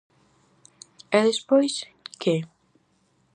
E despois, que?